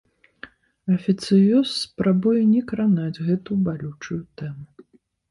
Афіцыёз спрабуе не кранаць гэтую балючую тэму.